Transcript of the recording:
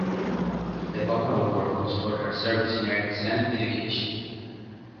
The papal award was for her service in ethics and education.